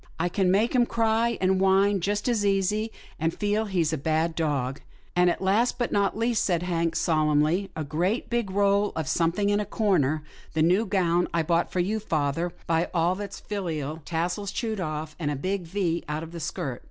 I can make him cry and whine, just as easy, and feel he's a bad dog." " And last but not least," said Hank, solemnly, a great big roll of something in a corner — the new gown I bought for you, father, by all that's fihal — tassels chewed off, and a big V out of the skirt."